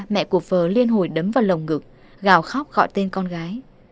mẹ của phờ liên hồi đấm vào lồng ngực gào khóc gọi tên con gái